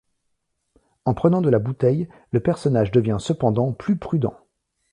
En prenant de la bouteille, le personnage devient cependant plus prudent.